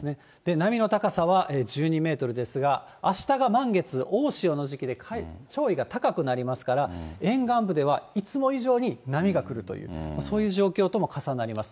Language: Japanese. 波の高さは１２メートルですが、あしたが満月、大潮の時期で潮位が高くなりますから、沿岸部ではいつも以上に波が来るという、そういう状況とも重なります。